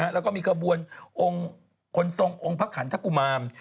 และก็มีกระบวนคนทรงองค์ผักขนด์ทักกุมาม